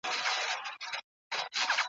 هر لحد يې افتخاردی ..